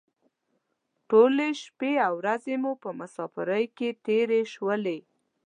ټولې شپې او ورځې مو په مسافرۍ کې تېرې شولې.